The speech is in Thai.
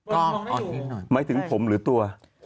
ก็อ่อนให้อีกหน่อยไม่ถึงผมหรือตัว